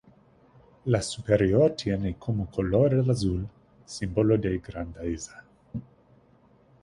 La superior tiene como color el azul, símbolo de grandeza.